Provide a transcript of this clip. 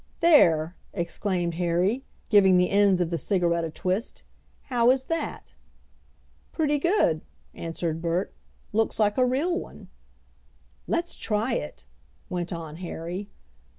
"There!" exclaimed Harry, giving the ends of the cigarette a twist. "How is that?" "Pretty good," answered Bert; "looks like a real one." "Let's try it!" went on Harry.